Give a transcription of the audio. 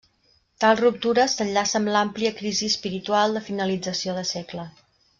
Tal ruptura s'enllaça amb l'àmplia crisi espiritual de finalització de segle.